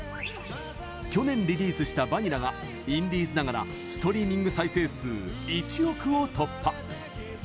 去年リリースした「バニラ」がインディーズながらストリーミング再生数１億を突破。